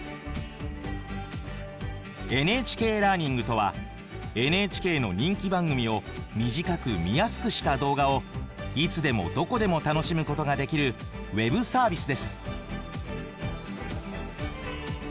ＮＨＫラーニングとはＮＨＫの人気番組を短く見やすくした動画をいつでもどこでも楽しむことができるウェブサービスです。